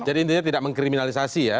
jadi intinya tidak mengkriminalisasi ya